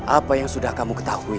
apa yang sudah kamu ketahui